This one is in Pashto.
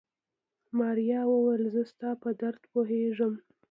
ماريا وويل زه ستا په درد پوهېږم.